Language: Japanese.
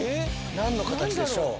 何の形でしょう？